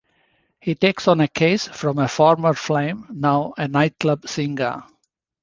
He takes on a case from a former flame, now a nightclub singer.